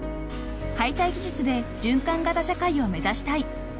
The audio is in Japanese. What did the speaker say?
［解体技術で循環型社会を目指したい］